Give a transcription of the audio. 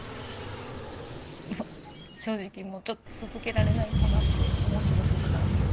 もう正直もうちょっと続けられないかなって思ってた時もあって。